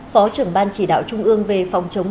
phó trưởng ban chỉ đạo trung ương về phòng chống